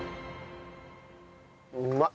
うまっ！